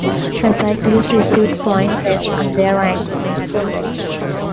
A cyclist received points, based on their rankings.